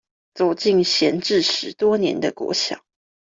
走進閒置十多年的國小